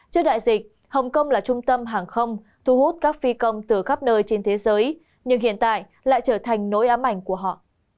trước đại dịch hồng kông là trung tâm hàng không thu hút các phi công từ khắp nơi trên thế giới nhưng hiện tại lại trở thành nỗi ám ảnh của họ